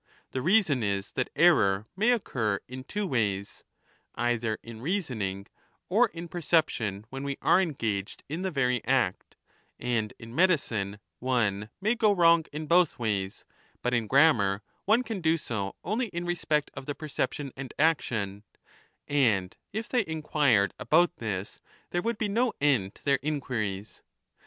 The reason is that error 35 may occur in two ways (either in reasoning or in perception when we are engaged in the very act), and in medicine one may go wrong in both ways, but in grammar one can do so only in respect of the perception and action, and if they inquired about this there would be no end to their inquiries.